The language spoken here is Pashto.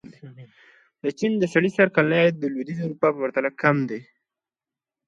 د چین سړي سر کلنی عاید د لوېدیځې اروپا په پرتله کم دی.